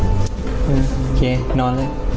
โอเคนอนเลย